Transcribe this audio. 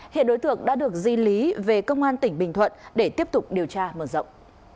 hiện đối tượng đã được di lý về công an tỉnh bình thuận để tiếp tục điều tra mở rộng